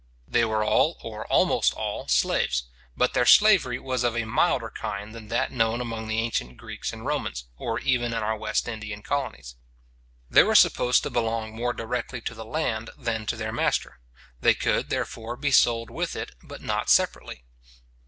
They were all, or almost all, slaves, but their slavery was of a milder kind than that known among the ancient Greeks and Romans, or even in our West Indian colonies. They were supposed to belong more directly to the land than to their master. They could, therefore, be sold with it, but not separately.